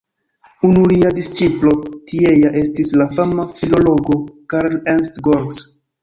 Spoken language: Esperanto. Unu lia disĉiplo tiea estis la fama filologo Karl Ernst Georges.